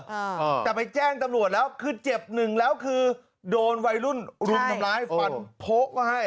อ่าแต่ไปแจ้งตำรวจแล้วคือเจ็บหนึ่งแล้วคือโดนวัยรุ่นรุมทำร้ายฟันโพะก็ให้